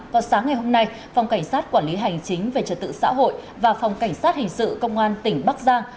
vào sáng ngày hôm nay phòng cảnh sát quản lý hành chính về trật tự xã hội và phòng cảnh sát hình sự công an tỉnh bắc giang